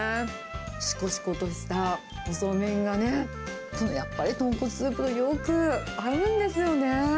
しこしことした細麺がね、やっぱり豚骨スープとよく合うんですよね。